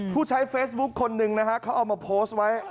ผู้ใช้เฟซบุ๊คคนหนึ่งนะฮะเขาเอามาโพสต์ไว้